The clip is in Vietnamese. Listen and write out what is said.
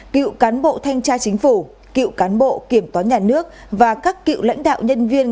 cựu cán bộ thanh tra chính phủ cựu cán bộ kiểm toán nhà nước và các cựu lãnh đạo nhân viên